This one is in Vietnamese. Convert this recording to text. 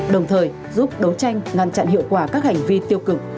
đồng thời giúp đấu tranh ngăn chặn hiệu quả các hành vi tiêu cực